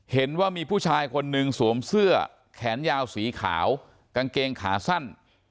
เห็นว่ามีผู้ชายคนหนึ่งสวมเสื้อแขนยาวสีขาวกางเกงขาสั้น